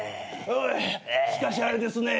しかしあれですね。